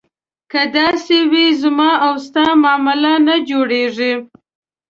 که داسې وي زما او ستا معامله نه جوړېږي.